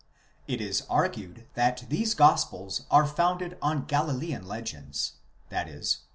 It is argued that these gospels are founded on Galilean legends, i.e.